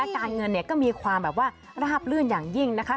การเงินก็มีความแบบว่าราบลื่นอย่างยิ่งนะคะ